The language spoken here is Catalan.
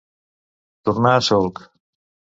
Tornar a solc.